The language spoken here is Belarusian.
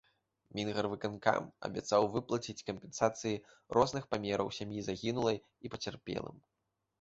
Мінгарвыканкам абяцаў выплаціць кампенсацыі розных памераў сям'і загінулай і пацярпелым.